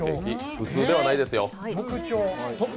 普通ではないですよ。